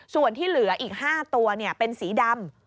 ส่วนที่เหลืออีก๕ตัวเป็นสีดำ